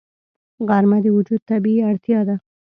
غرمه د وجود طبیعي اړتیا ده